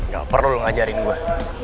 gak perlu lo ngajarin gue